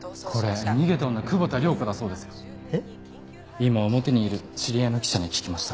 今表にいる知り合いの記者に聞きました。